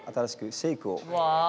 シェイク！